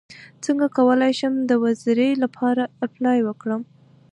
څنګه کولی شم د ویزې لپاره اپلای وکړم